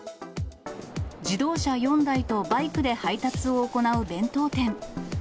自動車４台とバイクで配達を行う弁当店。